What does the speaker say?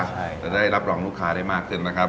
ใช่จะได้รับรองลูกค้าได้มากขึ้นนะครับ